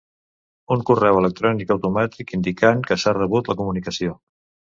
Un correu electrònic automàtic indicant que s'ha rebut la comunicació.